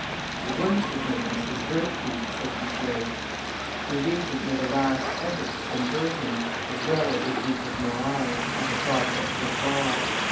"The worst of him was his virtue," said Duclos. The Regent made a last effort to convert him, as well as the Duke of Noailles, to the projects of Law.